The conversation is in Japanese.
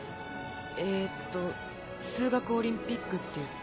えっと数学オリンピックっていって。